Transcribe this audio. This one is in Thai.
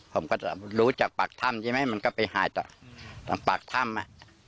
ผมก็จะรู้จากปากถ้ำใช่ไหมมันก็ไปหายตอนปากถ้ำ